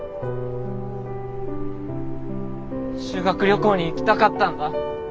修学旅行に行きたかったんだ。